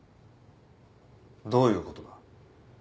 どういうことだ？